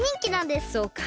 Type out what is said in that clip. そうか。